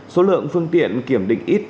số lượng phương tiện kiểm định ít